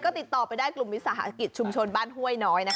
ก็ติดต่อไปได้กลุ่มวิสาหกิจชุมชนบ้านห้วยน้อย